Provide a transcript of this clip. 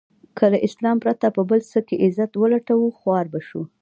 که له اسلام پرته په بل څه کې عزت و لټوو خوار به شو.